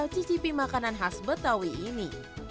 cicipi makanan khas betawi ini